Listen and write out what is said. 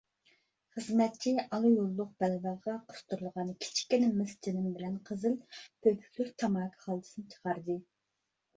خىزمەتچى ئالا يوللۇق بەلۋېغىغا قىستۇرۇلغان كىچىككىنە مىس چىلىم بىلەن قىزىل پۆپۈكلۈك تاماكا خالتىسىنى چىقاردى.